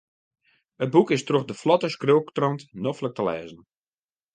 It boek is troch de flotte skriuwtrant noflik om te lêzen.